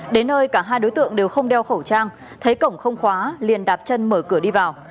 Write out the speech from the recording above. đến nơi cả hai đối tượng đều không đeo khẩu trang thấy cổng không khóa liền đạp chân mở cửa đi vào